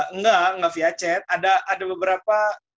enggak enggak via chat ada beberapa